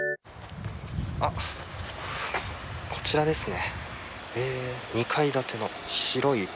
あっこちらですね。